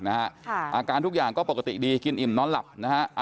อาการทุกอย่างก็ปกติดีกินอิ่มนอนหลับนะฮะ